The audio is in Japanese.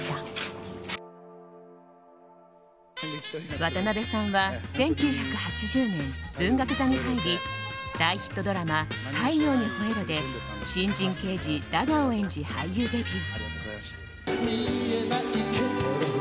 渡辺さんは１９８０年文学座に入り大ヒットドラマ「太陽にほえろ！」で新人刑事、ラガーを演じ俳優デビュー。